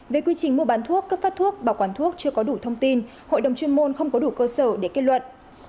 về quy trình mua bán thuốc cấp phát thuốc bảo quản thuốc chưa có đủ thông tin hội đồng chuyên môn không có đủ cơ sở để kết luận